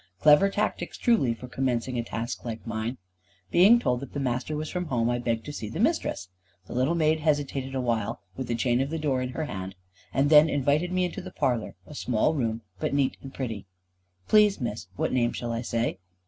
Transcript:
Clever tactics truly for commencing a task like mine. Being told that the Master was from home, I begged to see the Mistress. The little maid hesitated awhile, with the chain of the door in her hand, and then invited me into the parlour, a small room, but neat and pretty. "Please, Miss, what name shall I say?"